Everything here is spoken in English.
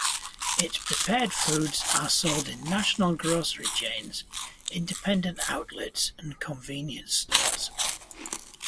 Its prepared foods are sold in national grocery chains, independent outlets, and convenience stores.